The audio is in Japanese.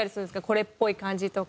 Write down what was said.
これっぽい感じとか。